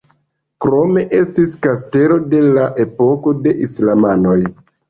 Krome estis kastelo de la epoko de islamanoj.